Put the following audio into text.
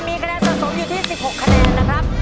มีคะแนนสะสมอยู่ที่๑๖คะแนนนะครับ